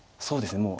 そうですね